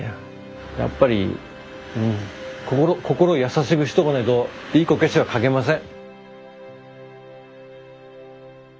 やっぱり心優しくしとかないといいこけしは描けません。